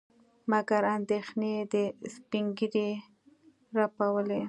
مګر اندېښنې د سپينږيري رپولې.